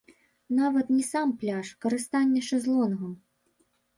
Нават не сам пляж, карыстанне шэзлонгам.